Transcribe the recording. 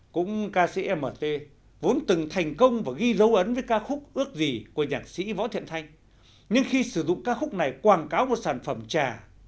cũng ca sĩmt vốn từng thành công và ghi dấu ấn với ca khúc ước gì của nhạc sĩ võ thiện thanh nhưng khi sử dụng ca khúc này quảng cáo một sản phẩm trà